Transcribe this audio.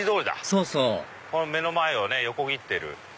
そうそうこの目の前をね横切っている。